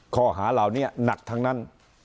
ข้อหาเหล่านี้หนักทั้งนั้น